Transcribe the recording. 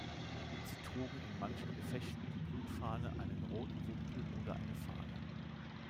Sie trugen in manchen Gefechten die Blutfahne, einen roten Wimpel oder eine Fahne.